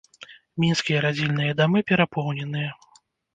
Мінскія радзільныя дамы перапоўненыя.